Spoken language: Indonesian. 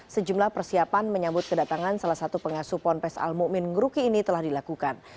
sejumlah persiapan menyambut kedatangan salah satu pengasuh pompes al mu'min ngeruki ini telah dilakukan